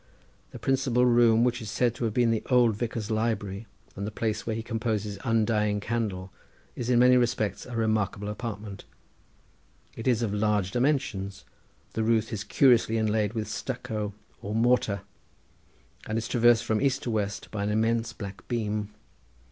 The principal room, which is said to have been the old vicar's library, and the place where he composed his undying Candle, is in many respects a remarkable apartment. It is of large dimensions. The roof is curiously inlaid with stucco or mortar, and is traversed from east to west by an immense black beam.